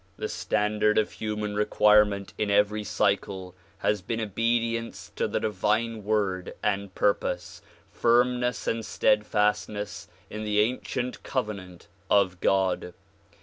The stand ard of human requirement in every cycle has been obedience to the divine Word and purpose, firmness and steadfastness in the ancient Covenant of God.